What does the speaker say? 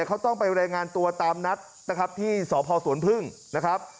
เขาต้องไปรายงานตัวตามนัดนะครับที่สพสวนพึ่งนะครับ